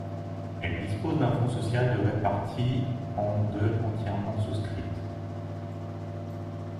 Elle dispose d'un fonds social de réparti en de entièrement souscrites.